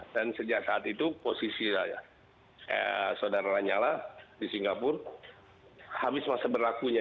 dan sejak saat itu posisi saudara lanyala di singapura habis masa berlakunya